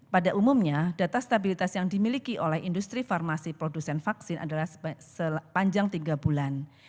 pada umumnya data stabilitas yang dimiliki oleh industri farmasi produsen vaksin adalah sepanjang tiga bulan